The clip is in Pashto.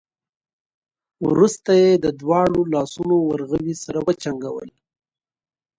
وروسته يې د دواړو لاسونو ورغوي سره وجنګول.